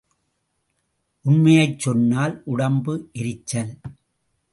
உண்மையைச் சொன்னால் உடம்பு எரிச்சல்.